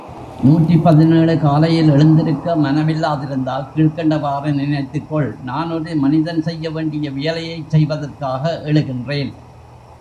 நூற்றி பதினேழு காலையில் எழுந்திருக்க மனமில்லாதிருந்தால் கீழ்க்கண்டவாறு நினைத்துக்கொள் நான் ஒரு மனிதன் செய்யவேண்டிய வேலையைச் செய்வதற்காக எழுகின்றேன்.